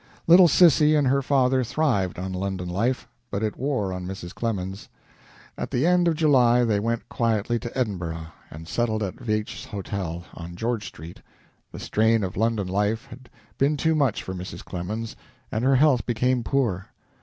Little Sissy and her father thrived on London life, but it wore on Mrs. Clemens. At the end of July they went quietly to Edinburgh, and settled at Veitch's Hotel, on George Street. The strain of London life had been too much for Mrs. Clemens, and her health became poor.